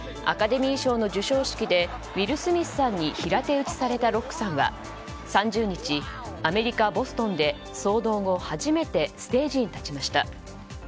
アカデミー賞の授賞式でウィル・スミスさんに平手打ちされたロックさんは３０日アメリカ・ボストンで騒動後初めてステージに立ちました。